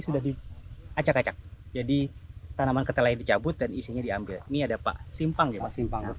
sudah diacak acak jadi tanaman ketelai dicabut dan isinya diambil ini ada pak simpang ya pak simpang